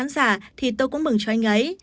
cả thì tôi cũng mừng cho anh ấy